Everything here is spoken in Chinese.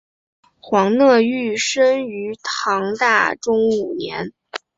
黄讷裕生于唐大中五年。